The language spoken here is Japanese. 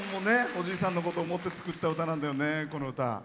おじいさんのことを思って作った歌なんだよね、この歌。